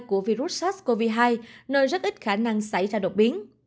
của virus sars cov hai nơi rất ít khả năng xảy ra đột biến